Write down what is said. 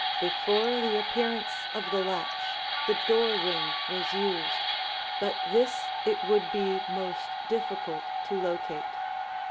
Before the appearance of the latch, the door ring was used, but this it would be most difficult to locate.